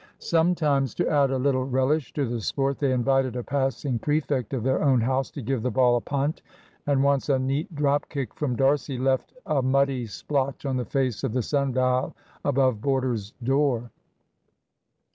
Sometimes, to add a little relish to the sport, they invited a passing prefect of their own house to give the ball a punt, and once a neat drop kick from D'Arcy left a muddy splotch on the face of the sundial above border's door.